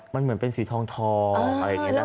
มันเหมือนเป็นสีทองอะไรอย่างนี้นะ